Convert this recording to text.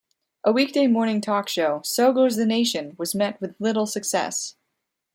A weekday morning talk show, "So Goes The Nation", was met with little success.